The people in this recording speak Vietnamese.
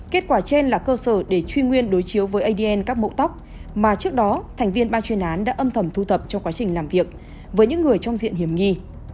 kết quả trên là cơ sở để truy nguyên đối chiếu với adn các mẫu tóc mà trước đó thành viên ban chuyên án đã âm thầm thu thập trong quá trình làm việc với những người trong diện hiểm nghi